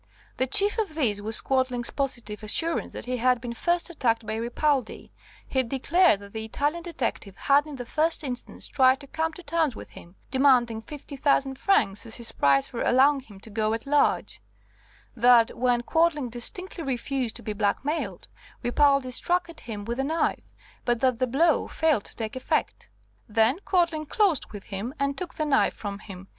The chief of these was Quadling's positive assurance that he had been first attacked by Ripaldi; he declared that the Italian detective had in the first instance tried to come to terms with him, demanding 50,000 francs as his price for allowing him to go at large; that when Quadling distinctly refused to be black mailed, Ripaldi struck at him with a knife, but that the blow failed to take effect. Then Quadling closed with him and took the knife from him.